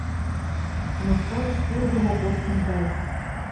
Мускалыш пурыдымо порсын гай.